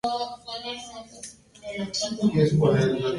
La serie fue una co-producción entre la cadena Boomerang y Venevisión.